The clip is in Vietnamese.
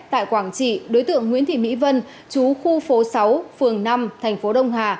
tại quảng trị đối tượng nguyễn thị mỹ vân chú khu phố sáu phường năm thành phố đông hà